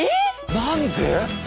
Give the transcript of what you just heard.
何で？